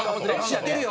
知ってるよ。